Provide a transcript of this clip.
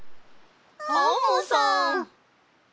アンモさん！